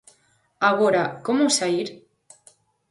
Agora, como saír?